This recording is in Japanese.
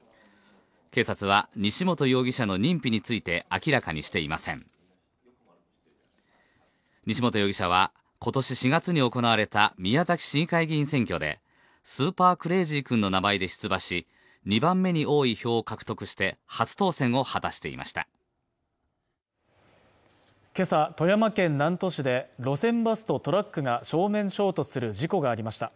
警察は西本容疑者の認否について明らかにしていません西本容疑者は今年４月に行われた宮崎市議会議員選挙でスーパークレイジー君の名前で出馬し２番目に多い票を獲得して初当選を果たしていました今朝、富山県南砺市で路線バスとトラックが正面衝突する事故がありました